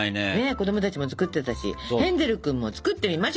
子供たちも作ってたしヘンゼル君も作ってみましょう！